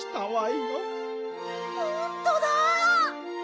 ほんとだ！